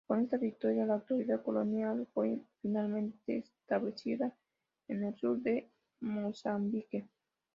Con esta victoria la autoridad colonial fue finalmente establecida en el sur de Mozambique.